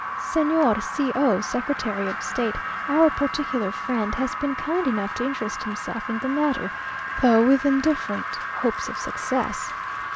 Señor C o, secretary of state, our particular friend, has been kind enough to interest himself in the matter, though with indifferent hopes of success.